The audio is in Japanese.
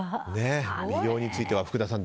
美容については福田さん